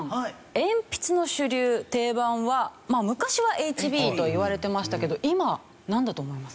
鉛筆の主流定番は昔はＨＢと言われてましたけど今なんだと思います？